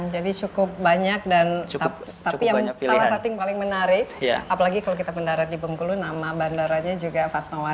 jadi cukup banyak dan tapi yang salah satu yang paling menarik apalagi kalau kita mendarat di bengkulu nama bandaranya juga fatmawati